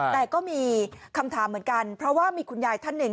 แต่ก็มีคำถามเหมือนกันเพราะว่ามีคุณยายท่านหนึ่ง